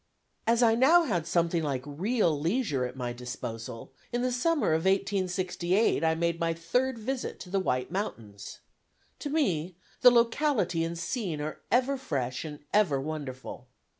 As I now had something like real leisure at my disposal, in the summer of 1868 I made my third visit to the White Mountains. To me, the locality and scene are ever fresh and ever wonderful.